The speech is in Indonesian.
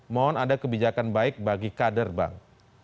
mohon ada kebijakan baik bagi kader bang